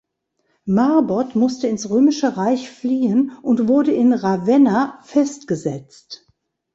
Marbod musste ins Römische Reich fliehen und wurde in Ravenna festgesetzt.